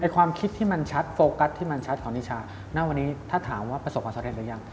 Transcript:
ความคิดที่มันชัดโฟกัสที่มันชัดของนิชาณวันนี้ถ้าถามว่าประสบความสำเร็จหรือยัง